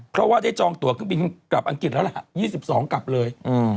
เพราะว่าได้จองตัวเครื่องบินกลับอังกฤษแล้วล่ะ๒๒กลับเลย